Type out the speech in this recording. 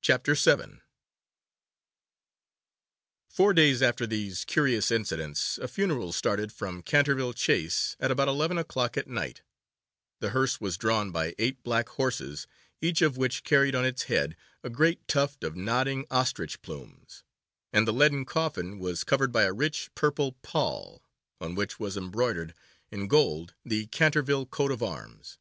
CHAPTER VII FOUR days after these curious incidents a funeral started from Canterville Chase at about eleven o'clock at night. The hearse was drawn by eight black horses, each of which carried on its head a great tuft of nodding ostrich plumes, and the leaden coffin was covered by a rich purple pall, on which was embroidered in gold the Canterville coat of arms.